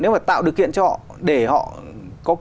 nếu mà tạo được kiện cho họ để họ có kết quả